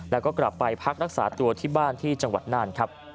แล้วก็กลับไปพักรักษาตัวที่บ้านที่จังหวัดน่านครับ